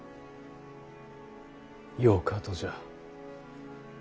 よかとじゃ。